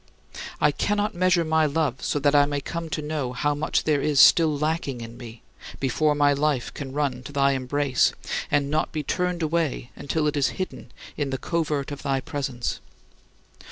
I cannot measure my love so that I may come to know how much there is still lacking in me before my life can run to thy embrace and not be turned away until it is hidden in "the covert of thy presence."